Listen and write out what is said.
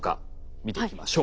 見ていきましょう。